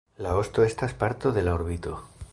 La osto estas parto de la orbito.